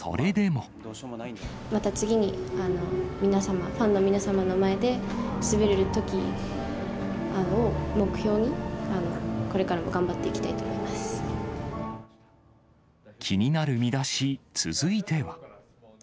また次に、皆様、ファンの皆様の前で、滑れるときが来るのを目標に、これからも頑張っていきたいと思気になるミダシ、続いては。